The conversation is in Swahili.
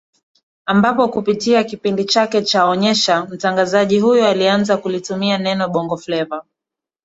ambapo kupitia kipindi chake cha onyesha mtangazaji huyo alianza kulitumia neno Bongo Fleva